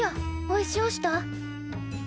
おいしおした？